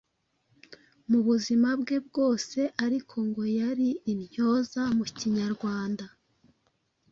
mu buzima bwe bwose ariko ngo yari intyoza mu Kinyarwanda.